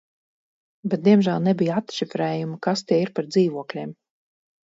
Bet diemžēl nebija atšifrējuma, kas tie ir par dzīvokļiem.